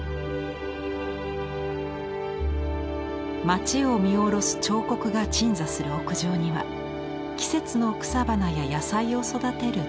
街を見下ろす彫刻が鎮座する屋上には季節の草花や野菜を育てる大庭園。